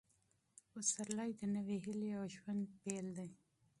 پسرلی د نوې هیلې او ژوند پیل دی.